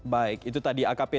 baik itu tadi akp